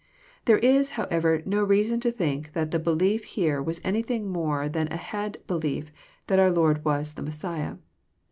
There is, however, no reason to think that the " belief" here was anything more than a head belief that our Lord was the Messiah.